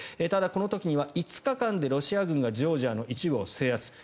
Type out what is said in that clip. ただ、この時には５日間でロシア軍がジョージアの一部を制圧。